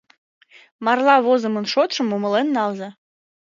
Марла возымын шотшым умылен налза.